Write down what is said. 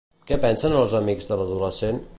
Què pensen els amics de l'adolescent?